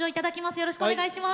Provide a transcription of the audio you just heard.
よろしくお願いします。